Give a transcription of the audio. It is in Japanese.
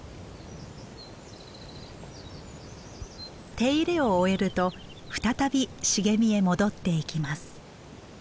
手入れを終えると再び茂みへ戻っていきます。